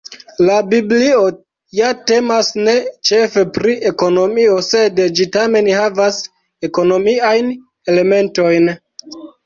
La biblio ja temas ne ĉefe pri ekonomio, sed ĝi tamen havas ekonomiajn elementojn.